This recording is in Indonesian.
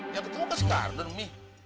yang ketemu kan si kardon mi